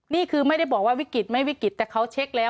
นี่คือไม่ได้บอกว่าวิกฤตไม่วิกฤตแต่เขาเช็คแล้ว